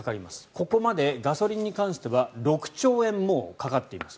ここまでガソリンに関しては６兆円かかっています。